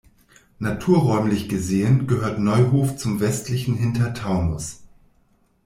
Naturräumlich gesehen gehört Neuhof zum "Westlichen Hintertaunus".